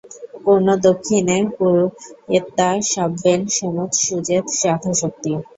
পুনর্দক্ষিণেন পুরুয়িত্বা সব্যেন সমুৎসুজেৎ যথাশক্তি।